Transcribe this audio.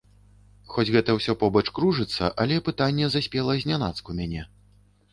Хоць гэта ўсё побач кружыцца, але пытанне заспела знянацку мяне.